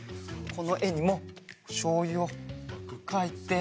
このえにもしょうゆをかいて。